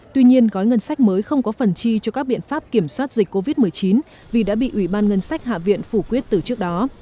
tuy nhiên gói ngân sách mới không có phần chi cho các biện pháp kiểm soát dịch covid một mươi chín vì đã bị ủy ban ngân sách hạ viện phủ quyết từ trước đó